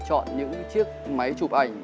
chọn những chiếc máy chụp ảnh